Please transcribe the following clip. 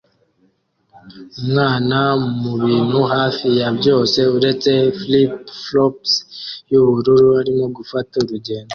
Umwana mubintu hafi ya byose uretse flip-flops yubururu arimo gufata urugendo